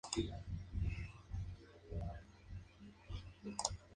La mayor parte de la población es extranjera, principalmente ingleses.